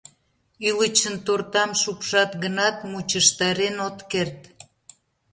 Ӱлычын тортам шупшат гынат, мучыштарен от керт.